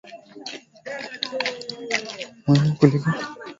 Muhimu kuliko vyeo vya serikali ingawa katiba na sheria inasema tofauti